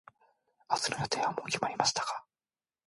明日の予定はもう決まりましたか。